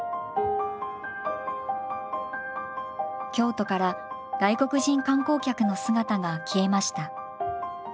京都から外国人観光客の姿が消えました。